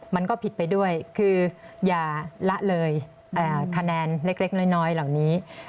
มันก็ผิดไปด้วยคืออย่าละเลยคะแนนเล็กน้อยเหล่านี้